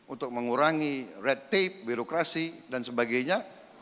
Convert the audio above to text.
untuk mengurangi red tape birokrasi dan sebagainya